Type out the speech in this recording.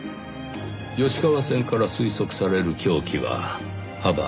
吉川線から推測される凶器は幅３センチ。